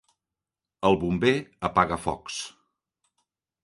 El bomber apaga focs.